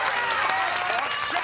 よっしゃ！